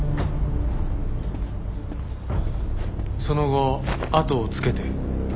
その後あとをつけて。